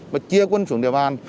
và chia quân xuống địa bàn